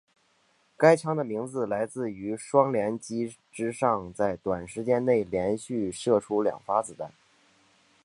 该枪的名字来自于双连击之上在短时间内连续射出两发子弹。